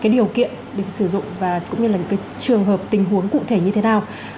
được sử dụng và cũng như là trường hợp tình huống cụ thể như thế nào